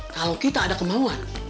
kalau kita ada kemauan